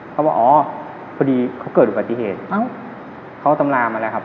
เขาบอกว่าเพื่อดีเขาเกิดวัตถีเขตเขาตำรามาแล้ว